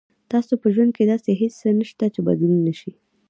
تاسو په ژوند کې داسې هیڅ څه نشته چې بدلون نه شي.